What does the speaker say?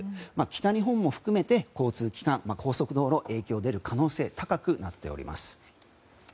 北日本も含めて交通機関、高速道路に影響が出る可能性が高くなっています。